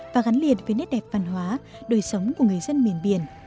và gắn liền với nét đẹp văn hóa đời sống của người dân miền biển